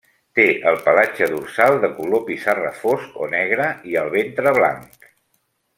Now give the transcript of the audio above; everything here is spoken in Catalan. Té el pelatge dorsal de color pissarra fosc o negre i el ventre blanc.